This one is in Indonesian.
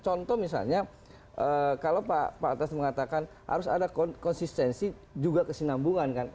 contoh misalnya kalau pak atas mengatakan harus ada konsistensi juga kesinambungan kan